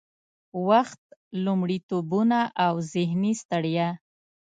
وخت، لومړيتوبونه او ذهني ستړيا